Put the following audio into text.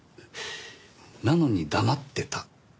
なのに黙ってた。